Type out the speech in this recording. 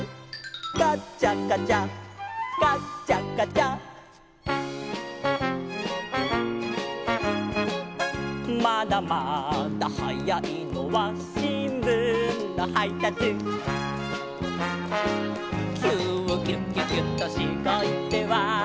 「カチャカチャカチャカチャ」「まだまだはやいのはしんぶんのはいたつ」「キューキュキュキュとしごいては」